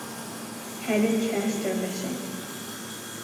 Head and chest are missing.